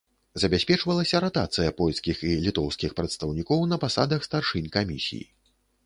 Забяспечвалася ратацыя польскіх і літоўскіх прадстаўнікоў на пасадах старшынь камісій.